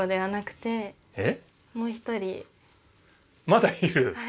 まだいる？